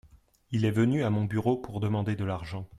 Il est venu à mon bureau pour demander de l’argent.